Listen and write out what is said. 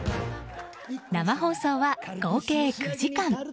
生放送は合計９時間。